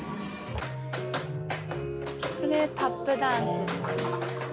これタップダンスです。